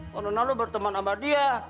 karena lu berteman sama dia